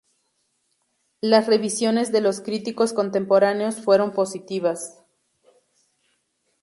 Las revisiones de los críticos contemporáneos fueron positivas.